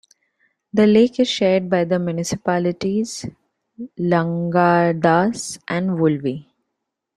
The lake is shared by the municipalities Langadas and Volvi.